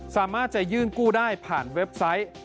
สามารถจะยื่นกู้ได้ผ่านเว็บไซต์